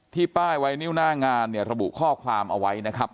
ป้ายไวนิ้วหน้างานเนี่ยระบุข้อความเอาไว้นะครับ